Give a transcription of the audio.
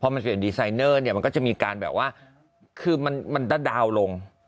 มันเปลี่ยนดีไซเนอร์เนี่ยมันก็จะมีการแบบว่าคือมันตะดาวน์ลง